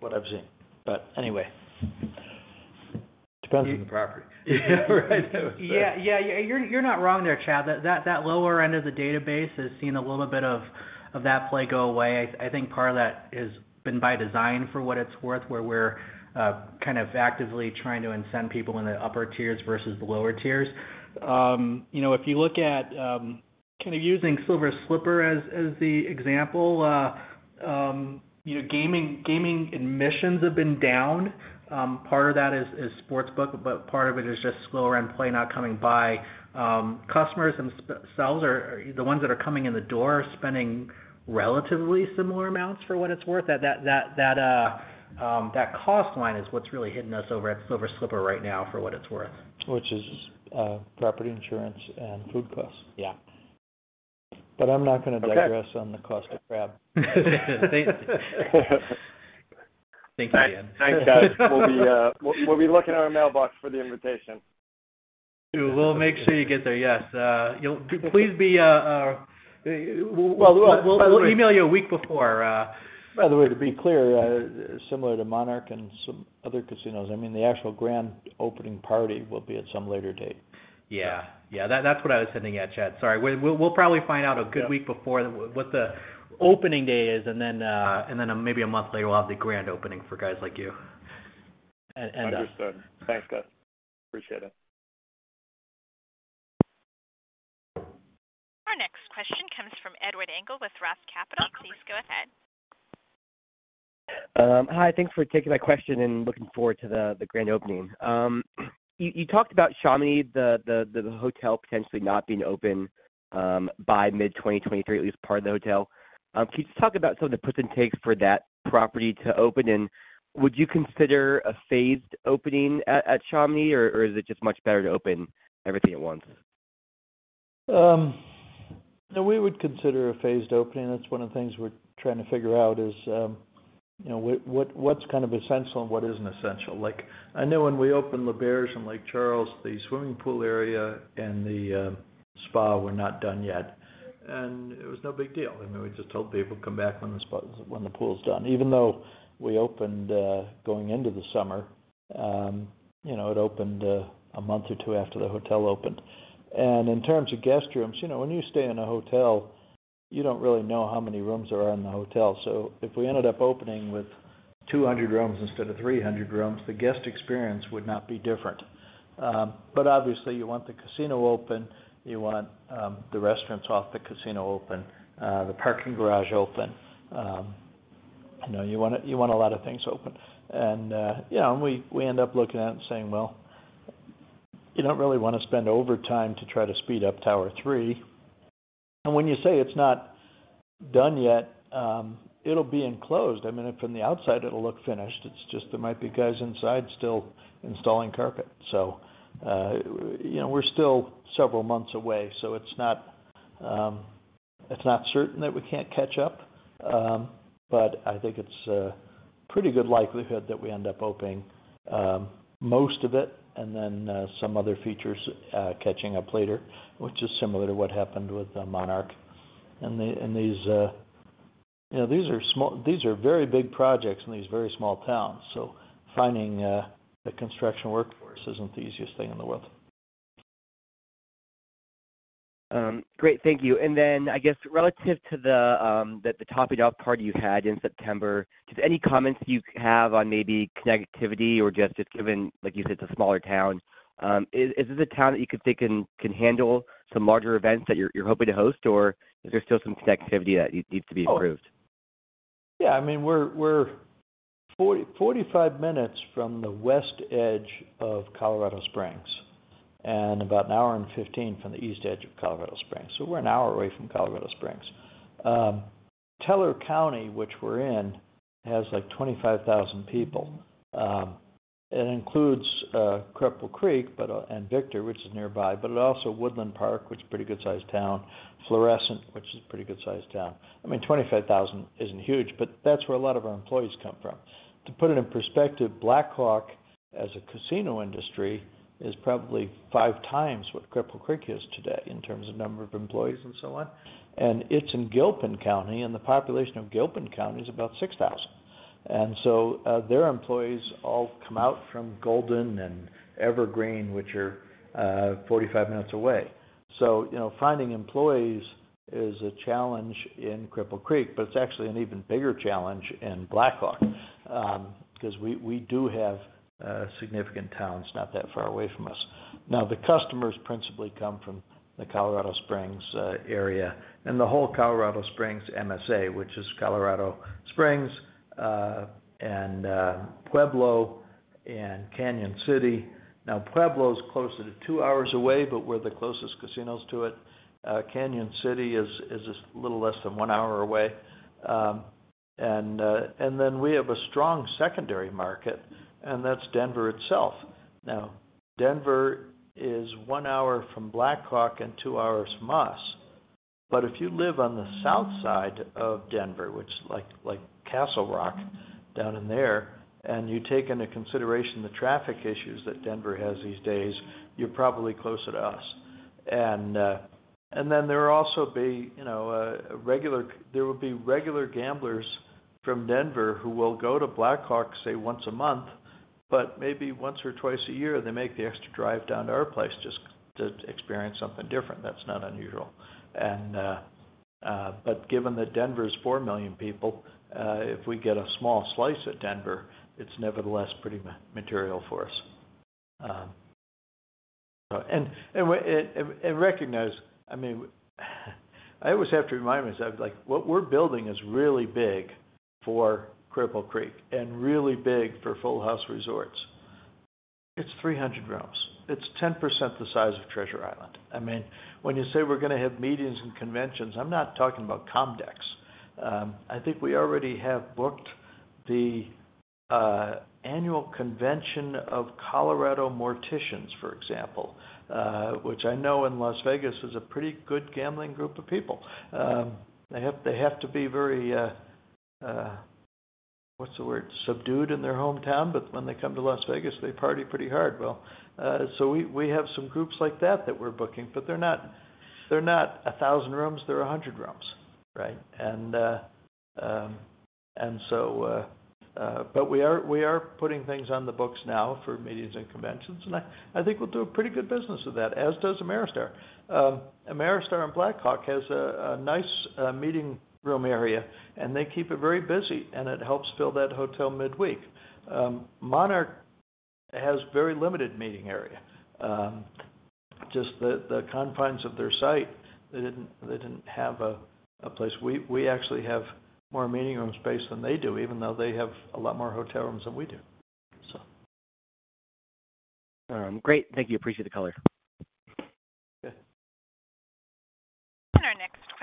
what I've seen. Anyway. Depends on the property. Yeah. Right. Yeah. You're not wrong there, Chad. That lower end of the database has seen a little bit of that play go away. I think part of that has been by design for what it's worth, where we're actively trying to incent people in the upper tiers versus the lower tiers. You know, if you look at using Silver Slipper as the example, you know, gaming admissions have been down. Part of that is sports book, but part of it is just slower end play not coming by. Customers and spends are the ones that are coming in the door are spending relatively similar amounts for what it's worth. That cost line is what's really hitting us over at Silver Slipper right now for what it's worth. Which is property insurance and food costs. Yeah. I'm not gonna digress. Okay. on the cost of crab. Thank you. Thank you, Dan. Thanks, guys. We'll be looking in our mailbox for the invitation. We will make sure you get there. Yes. You'll be pleased, we'll- Well, by the way. We'll email you a week before. By the way, to be clear, similar to Monarch and some other casinos, I mean, the actual grand opening party will be at some later date. Yeah. Yeah. That's what I was hinting at, Chad. Sorry. We'll probably find out a good week before. Yeah. what the opening day is, and then maybe a month later, we'll have the grand opening for guys like you. Understood. Thanks, guys. Appreciate it. Our next question comes from Edward Engel with Roth Capital Partners. Please go ahead. Hi. Thanks for taking my question and looking forward to the grand opening. You talked about Chamonix, the hotel potentially not being open by mid-2023, at least part of the hotel. Can you just talk about some of the puts and takes for that property to open? Would you consider a phased opening at Chamonix, or is it just much better to open everything at once? No, we would consider a phased opening. That's one of the things we're trying to figure out is, you know, what's essential and what isn't essential. Like, I know when we opened L'Auberge in Lake Charles, the swimming pool area and the spa were not done yet. It was no big deal. I mean, we just told people, "Come back when the pool's done." Even though we opened going into the summer, you know, it opened a month or two after the hotel opened. In terms of guest rooms, you know, when you stay in a hotel, you don't really know how many rooms are in the hotel. If we ended up opening with 200 rooms instead of 300 rooms, the guest experience would not be different. Obviously, you want the casino open, you want the restaurants off the casino open, the parking garage open. You know, you want a lot of things open. Yeah, we end up looking at it and saying, "Well, you don't really wanna spend overtime to try to speed up tower three." When you say it's not done yet, it'll be enclosed. I mean, from the outside, it'll look finished. It's just there might be guys inside still installing carpet. You know, we're still several months away, so it's not certain that we can't catch up. I think it's a pretty good likelihood that we end up opening most of it and then some other features catching up later, which is similar to what happened with Monarch and these. These are very big projects in these very small towns. So finding the construction workforce isn't the easiest thing in the world. Great. Thank you. I guess relative to the top dog party you had in September, just any comments you have on maybe connectivity or just it's given, like you said, it's a smaller town. Is this a town that you could think can handle some larger events that you're hoping to host? Or is there still some connectivity that needs to be improved? Yeah. I mean, we're 40, 45 minutes from the west edge of Colorado Springs, and about an hour and 15 from the east edge of Colorado Springs. We're an hour away from Colorado Springs. Teller County, which we're in, has, like, 25,000 people. It includes Cripple Creek, but and Victor, which is nearby, but it also Woodland Park, which is a pretty good-sized town. Florissant, which is a pretty good-sized town. I mean, 25,000 isn't huge, but that's where a lot of our employees come from. To put it in perspective, Black Hawk, as a casino industry, is probably 5 times what Cripple Creek is today in terms of number of employees and so on. It's in Gilpin County, and the population of Gilpin County is about 6,000. Their employees all come out from Golden and Evergreen, which are 45 minutes away. You know, finding employees is a challenge in Cripple Creek, but it's actually an even bigger challenge in Black Hawk, 'cause we do have significant towns not that far away from us. Now, the customers principally come from the Colorado Springs area and the whole Colorado Springs MSA, which is Colorado Springs and Pueblo and Cañon City. Now, Pueblo is closer to 2 hours away, but we're the closest casinos to it. Cañon City is just a little less than 1 hour away. Then we have a strong secondary market, and that's Denver itself. Now, Denver is 1 hour from Black Hawk and 2 hours from us. If you live on the south side of Denver, which is like Castle Rock down in there, and you take into consideration the traffic issues that Denver has these days, you're probably closer to us. And then there will also be, you know, there will be regular gamblers from Denver who will go to Black Hawk, say, once a month, but maybe once or twice a year, they make the extra drive down to our place just to experience something different. That's not unusual. But given that Denver is 4 million people, if we get a small slice of Denver, it's nevertheless pretty material for us. And recognize, I mean, I always have to remind myself, like, what we're building is really big for Cripple Creek and really big for Full House Resorts. It's 300 rooms. It's 10% the size of Treasure Island. I mean, when you say we're gonna have meetings and conventions, I'm not talking about COMDEX. I think we already have booked the annual convention of Colorado Funeral Directors Association, for example, which I know in Las Vegas is a pretty good gambling group of people. They have to be very subdued in their hometown, but when they come to Las Vegas, they party pretty hard. We have some groups like that that we're booking, but they're not 1,000 rooms, they're 100 rooms, right? We are putting things on the books now for meetings and conventions, and I think we'll do a pretty good business of that, as does Ameristar. Ameristar in Black Hawk has a nice meeting room area, and they keep it very busy, and it helps fill that hotel midweek. Monarch has very limited meeting area. Just the confines of their site, they didn't have a place. We actually have more meeting room space than they do, even though they have a lot more hotel rooms than we do. Great. Thank you. Appreciate the color.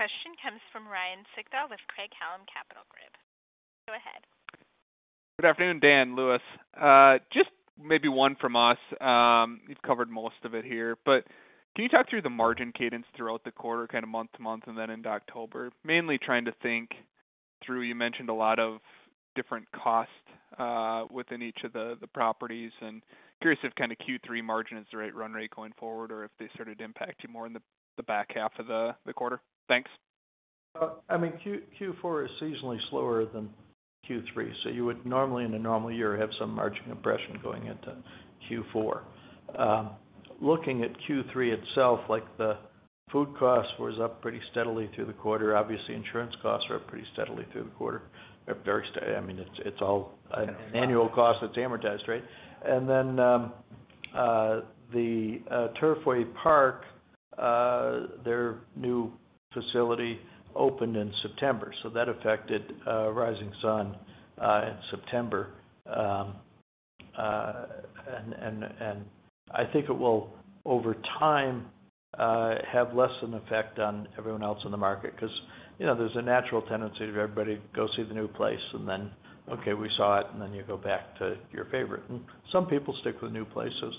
Good. Our next question comes from Ryan Sigdahl with Craig-Hallum Capital Group. Go ahead. Good afternoon, Dan, Lewis. Just maybe one from us. You've covered most of it here, but can you talk through the margin cadence throughout the quarter month to month and then into October? Mainly trying to think through, you mentioned a lot of different costs within each of the properties, and curious if Q3 margin is the right run rate going forward, or if they impact you more in the back half of the quarter. Thanks. I mean, Q4 is seasonally slower than Q3, so you would normally, in a normal year, have some margin compression going into Q4. Looking at Q3 itself, like the food cost was up pretty steadily through the quarter. Obviously, insurance costs are up pretty steadily through the quarter. They're very steady. I mean, it's all an annual cost that's amortized, right? Turfway Park, their new facility opened in September, so that affected Rising Sun in September. I think it will, over time, have less an effect on everyone else in the market 'cause, you know, there's a natural tendency of everybody to go see the new place and then, okay, we saw it, and then you go back to your favorite. Some people stick with new places.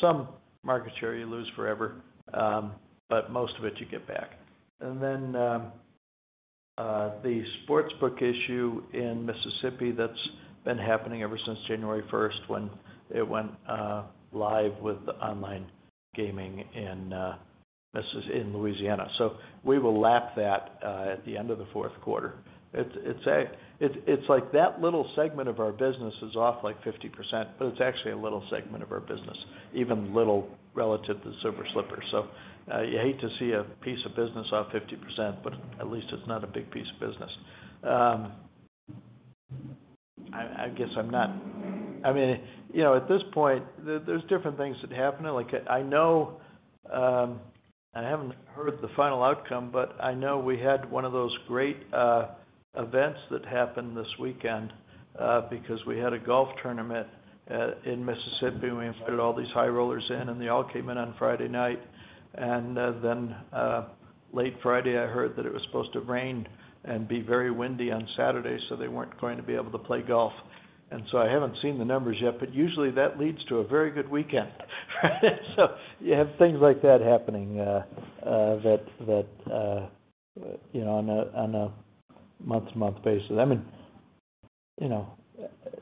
Some market share you lose forever, but most of it you get back. Then the sportsbook issue in Mississippi that's been happening ever since January 1st, when it went live with the online gaming in Louisiana. We will lap that at the end of the Q4. It's like that little segment of our business is off like 50%, but it's actually a little segment of our business, even little relative to Silver Slipper. You hate to see a piece of business off 50%, but at least it's not a big piece of business. I guess I'm not, I mean, you know, at this point, there's different things that happen. Like I know, I haven't heard the final outcome, but I know we had one of those great events that happened this weekend because we had a golf tournament in Mississippi, and we invited all these high rollers in, and they all came in on Friday night. Late Friday, I heard that it was supposed to rain and be very windy on Saturday, so they weren't going to be able to play golf. I haven't seen the numbers yet, but usually that leads to a very good weekend. You have things like that happening that you know on a month-to-month basis. I mean, you know,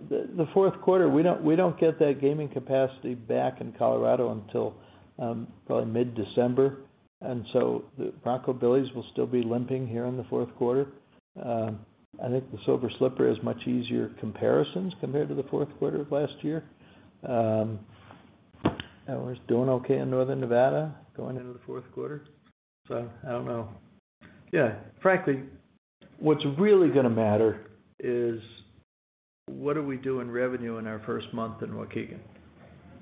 the Q4, we don't get that gaming capacity back in Colorado until probably mid-December. The Bronco Billy's will still be limping here in the Q4. I think the Silver Slipper is much easier comparisons compared to the Q4 of last year. We're doing okay in Northern Nevada going into the Q4. I don't know. Yeah, frankly, what's really gonna matter is what do we do in revenue in our first month in Waukegan?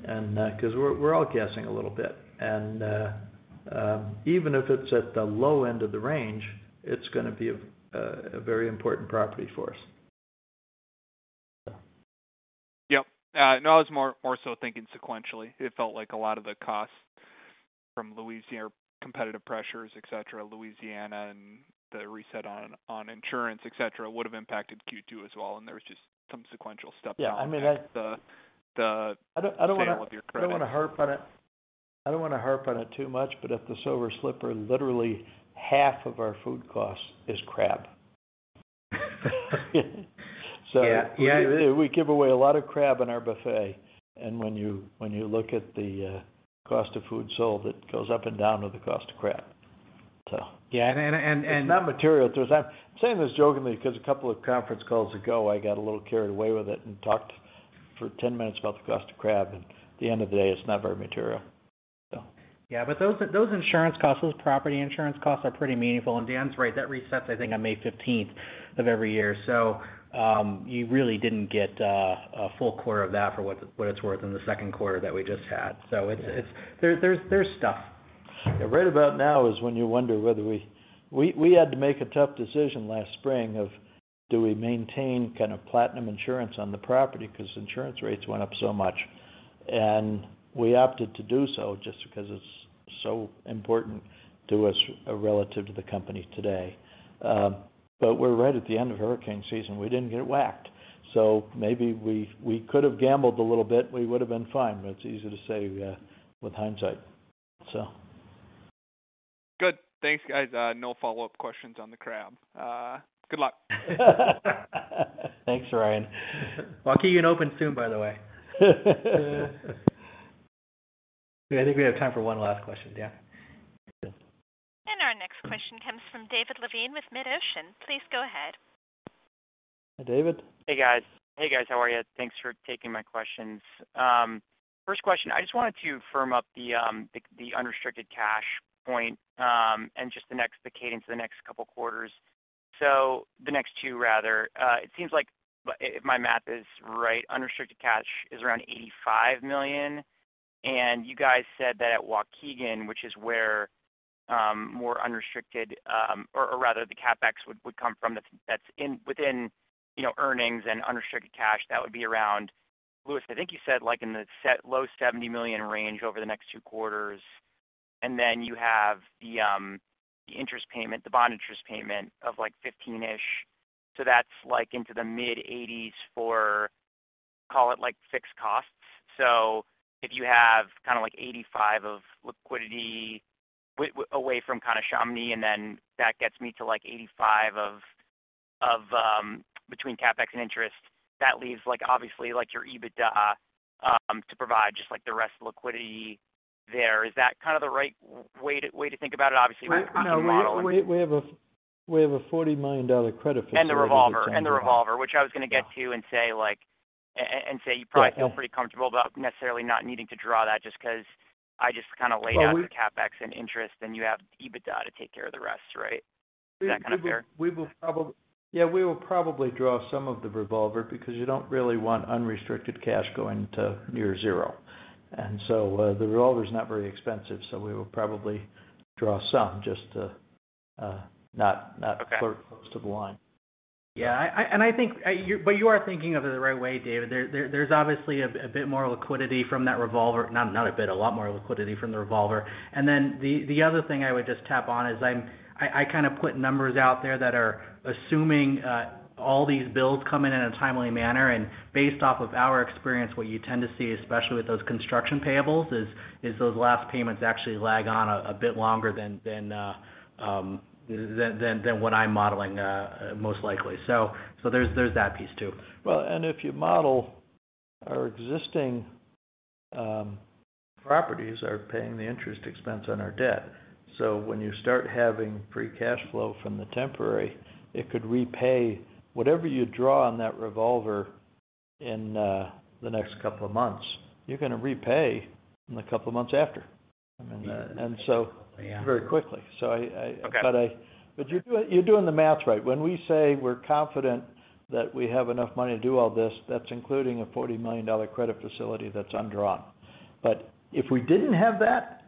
'Cause we're all guessing a little bit. Even if it's at the low end of the range, it's gonna be a very important property for us. Yep. No, I was more so thinking sequentially. It felt like a lot of the costs from Louisiana, competitive pressures, et cetera, Louisiana and the reset on insurance, et cetera, would have impacted Q2 as well. There was just some sequential stuff. Yeah. I mean, to impact the sale of your credit. I don't wanna harp on it too much, but at the Silver Slipper, literally half of our food cost is crab. Yeah. Yeah. We give away a lot of crab in our buffet, and when you look at the cost of food sold, it goes up and down with the cost of crab. Yeah. It's not material to us. I'm saying this jokingly because a couple of conference calls ago, I got a little carried away with it and talked for 10 minutes about the cost of crab, and at the end of the day, it's not very material. Yeah. Those insurance costs, those property insurance costs are pretty meaningful. Dan's right, that resets, I think, on May fifteenth of every year. You really didn't get a full quarter of that for what it's worth in the Q2 that we just had. It's there's stuff. Right about now is when you wonder whether we had to make a tough decision last spring of do we maintain platinum insurance on the property because insurance rates went up so much. We opted to do so just because it's so important to us relative to the company today. We're right at the end of hurricane season. We didn't get whacked. Maybe we could have gambled a little bit. We would have been fine. It's easy to say with hindsight. Good. Thanks, guys. No follow-up questions on the crab. Good luck. Thanks, Ryan. Waukegan opens soon, by the way. I think we have time for one last question, Dan. Our next question comes from David Levine with MidOcean. Please go ahead. Hi, David. Hey, guys. How are you? Thanks for taking my questions. First question, I just wanted to firm up the unrestricted cash point, and just the cadence, the next couple quarters. The next two, rather. It seems like if my math is right, unrestricted cash is around $85 million. You guys said that at Waukegan, which is where more unrestricted, or rather the CapEx would come from that's within, you know, earnings and unrestricted cash, that would be around, Lewis, I think you said like in the low $70 million range over the next two quarters. Then you have the interest payment, the bond interest payment of like $15-ish. That's like into the mid-$80s for, call it like fixed costs. If you have like $85 million of liquidity away from Chamonix, and then that gets me to like $85 million between CapEx and interest, that leaves like obviously like your EBITDA to provide just like the rest of liquidity there. Is that the right way to think about it? Obviously, my No, we have a $40 million credit facility. The revolver, which I was gonna get to and say, like, you probably feel pretty comfortable about necessarily not needing to draw that just 'cause I just kinda laid out the CapEx and interest, then you have EBITDA to take care of the rest, right? Is that fair? We will probably draw some of the revolver because you don't really want unrestricted cash going to near zero. The revolver is not very expensive, so we will probably draw some just to not. Okay. Close to the line. You are thinking of it the right way, David. There's obviously a bit more liquidity from that revolver. Not a bit, a lot more liquidity from the revolver. The other thing I would just tap on is I kinda put numbers out there that are assuming all these bills come in in a timely manner. Based off of our experience, what you tend to see, especially with those construction payables, is those last payments actually lag on a bit longer than what I'm modeling, most likely. There's that piece too. If you model our existing properties are paying the interest expense on our debt. When you start having free cash flow from the temporary, it could repay whatever you draw on that revolver in the next couple of months. You're gonna repay in the couple of months after. Yeah. Very quickly. I Okay. You're doing the math right. When we say we're confident that we have enough money to do all this, that's including a $40 million credit facility that's undrawn. If we didn't have that,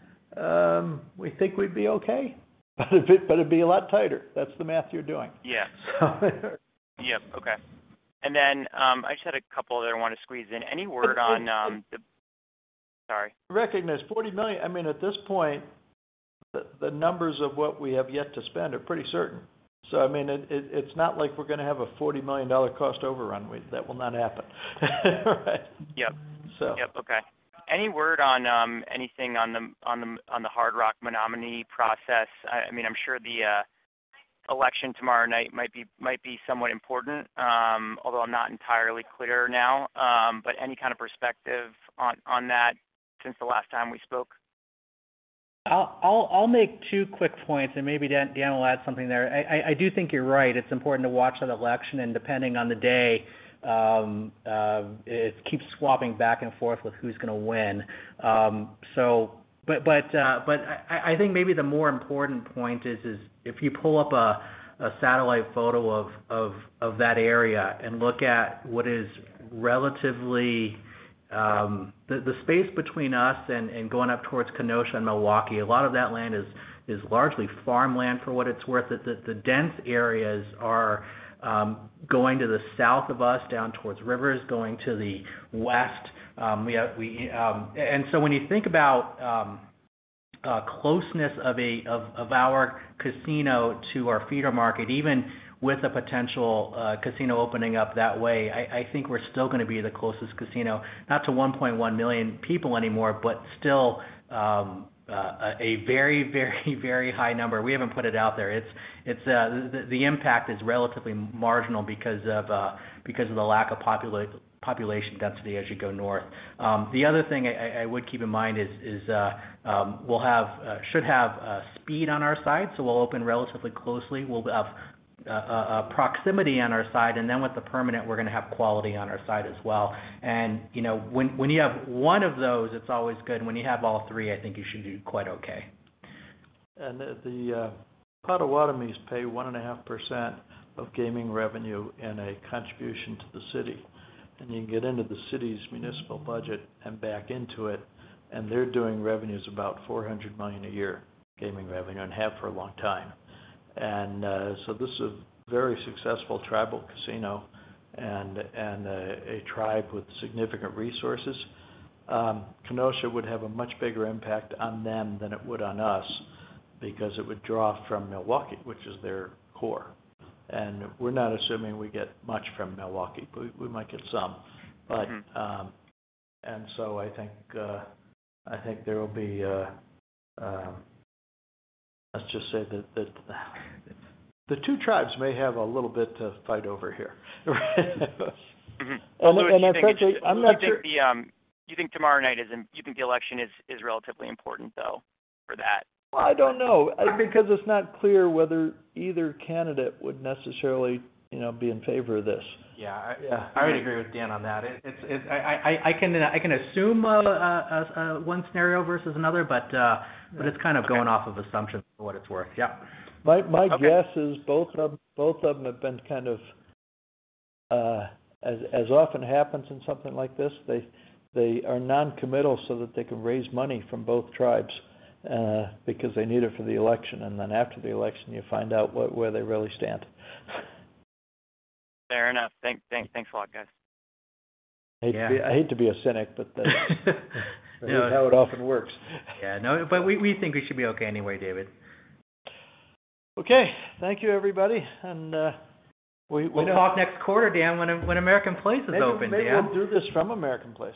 we think we'd be okay, but it'd be a lot tighter. That's the math you're doing. Yeah. Yep. Okay. I just had a couple that I wanna squeeze in. Any word on? But, but- Sorry. Recognize $40 million, I mean, at this point, the numbers of what we have yet to spend are pretty certain. I mean, it's not like we're gonna have a $40 million cost overrun. That will not happen. Right? Yep. So. Yep. Okay. Any word on the Hard Rock Menominee process? I mean, I'm sure the election tomorrow night might be somewhat important, although I'm not entirely clear now. Any perspective on that since the last time we spoke? I'll make two quick points, and maybe Dan will add something there. I do think you're right. It's important to watch that election and depending on the day, it keeps swapping back and forth with who's gonna win. I think maybe the more important point is if you pull up a satellite photo of that area and look at what is relatively the space between us and going up towards Kenosha and Milwaukee, a lot of that land is largely farmland for what it's worth. The dense areas are going to the south of us, down towards Rivers, going to the west. When you think about closeness of our casino to our feeder market, even with a potential casino opening up that way, I think we're still gonna be the closest casino, not to 1.1 million people anymore, but still a very high number. We haven't put it out there. It's the impact is relatively marginal because of the lack of population density as you go north. The other thing I would keep in mind is we should have speed on our side, so we'll open relatively closely. We'll have a proximity on our side, and then with the permanent, we're gonna have quality on our side as well. You know, when you have one of those, it's always good. When you have all three, I think you should do quite okay. The Potawatomi pay 1.5% of gaming revenue in a contribution to the city, and you can get into the city's municipal budget and back into it, and they're doing revenues about $400 million a year, gaming revenue, and have for a long time. This is a very successful tribal casino and a tribe with significant resources. Kenosha would have a much bigger impact on them than it would on us because it would draw from Milwaukee, which is their core. We're not assuming we get much from Milwaukee. We might get some. Mm-hmm. I think there will be. Let's just say that the two tribes may have a little bit to fight over here. Mm-hmm. I'm not sure. You think the election is relatively important though for that? I don't know. Because it's not clear whether either candidate would necessarily, you know, be in favor of this. Yeah. Yeah. I would agree with Dan on that. I can assume one scenario versus another, but it's going off of assumptions for what it's worth. Yeah. My guess is both of them have been as often happens in something like this, they are non-committal so that they can raise money from both tribes, because they need it for the election. Then after the election, you find out where they really stand. Fair enough. Thanks a lot, guys. I hate to be a cynic, but that. No. That's how it often works. Yeah. No, we think we should be okay anyway, David. Okay. Thank you, everybody. We'll talk next quarter, Dan, when American Place is open, Dan. Maybe we'll do this from American Place.